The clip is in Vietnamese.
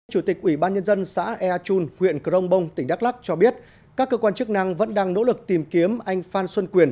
chủ tịch ủy ban nhân dân xã ea chun huyện crong bong tỉnh đắk lắc cho biết các cơ quan chức năng vẫn đang nỗ lực tìm kiếm anh phan xuân quyền